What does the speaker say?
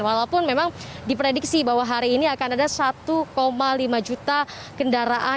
walaupun memang diprediksi bahwa hari ini akan ada satu lima juta kendaraan